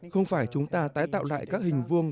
không phải chúng ta tái tạo lại các hình vuông